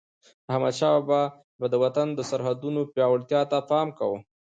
احمدشاه بابا به د وطن د سرحدونو پیاوړتیا ته پام کاوه.